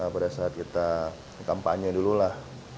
pada saat kita kampanye dulu lah